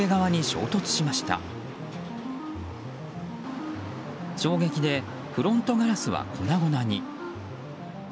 衝撃でフロントガラスは粉々に。